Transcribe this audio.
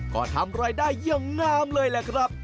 ก็ทำรายได้อย่างงามเลยแหละครับ